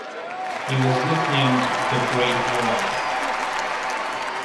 He was nicknamed "The Great Wall".